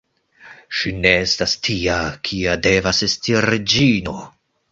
Ŝi ne estas tia, kia devas esti reĝino.